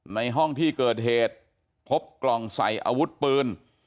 ในห้องที่เกิดเหตุพบกล่องใส่อาวุธปืน